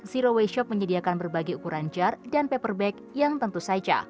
zero waste shop menyediakan berbagai ukuran jar dan paper bag yang tentu saja